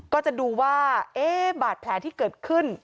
ก็จะดูว่าเอ๊ะบาดแผลที่เกิดขึ้น